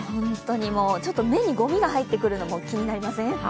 ちょっと目にごみが入ってくるのも気になりません？